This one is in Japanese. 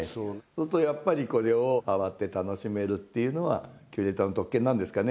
するとやっぱりこれを触って楽しめるっていうのはキュレーターの特権なんですかね？